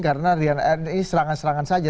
karena ini serangan serangan saja